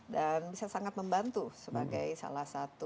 dan bisa sangat membantu sebagai salah satu